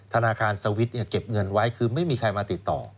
ธนาคารสวิตช์เก็บเงินไว้คือไม่มีใครมาติดต่อ